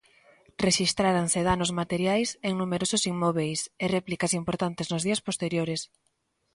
Rexistráranse danos materiais en numerosos inmóbeis e réplicas importantes nos días posteriores.